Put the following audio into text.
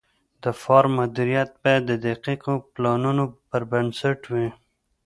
د فارم مدیریت باید د دقیقو پلانونو پر بنسټ وي.